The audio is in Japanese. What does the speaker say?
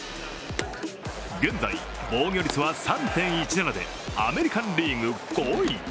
現在防御率は３．１７でアメリカン・リーグ５位。